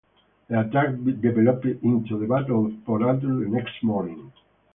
The attacks developed into the Battle of Port Arthur the next morning.